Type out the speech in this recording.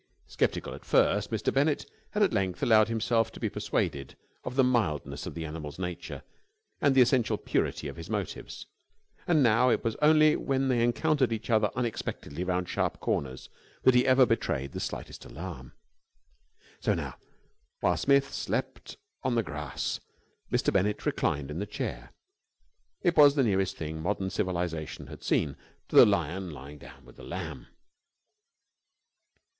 Sceptical at first, Mr. Bennett had at length allowed himself to be persuaded of the mildness of the animal's nature and the essential purity of his motives; and now it was only when they encountered each other unexpectedly round sharp corners that he ever betrayed the slightest alarm. So now, while Smith slept on the grass, Mr. Bennett reclined in the chair. It was the nearest thing modern civilization had seen to the lion lying down with the lamb.